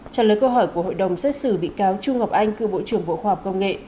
trả lời câu hỏi của hội đồng xét xử bị cáo trung ngọc anh cựu bộ trưởng bộ khoa học công nghệ